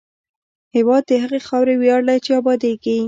هېواد د هغې خاورې ویاړ دی چې ابادېږي.